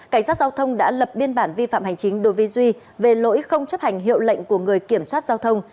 cảnh sát giao thông đã lập biên bản vi phạm hành chính đối với duy về lỗi không chấp hành hiệu lệnh của người kiểm soát giao thông